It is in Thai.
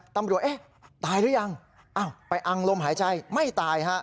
ตำรวจตายหรือยังไปอังลมหายใจไม่ตาย